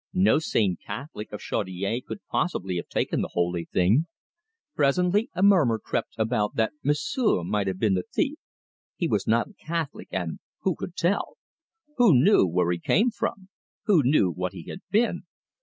No sane Catholic of Chaudiere could possibly have taken the holy thing. Presently a murmur crept about that M'sieu' might have been the thief. He was not a Catholic, and who could tell? Who knew where he came from? Who knew what he had been?